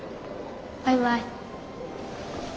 バイバイ。